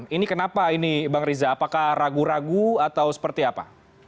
ini kenapa ini bang riza apakah ragu ragu atau seperti apa